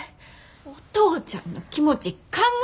お父ちゃんの気持ち考え。